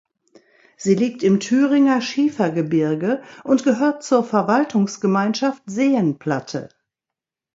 Sie liegt im Thüringer Schiefergebirge und gehört zur Verwaltungsgemeinschaft Seenplatte.